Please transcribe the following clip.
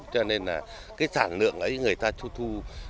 cho nên là cái sản lượng ấy người ta thu